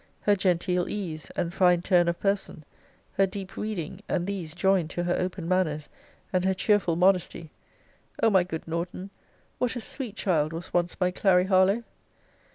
Her genteel ease, and fine turn of person; her deep reading, and these, joined to her open manners, and her cheerful modesty O my good Norton, what a sweet child was once my Clary Harlowe!